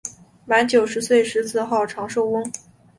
满九十岁时自号长寿翁。